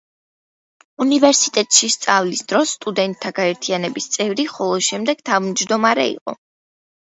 უნივერსიტეტში სწავლის დროს, სტუდენტთა გაერთიანების წევრი, ხოლო შემდეგ თავმჯდომარე იყო.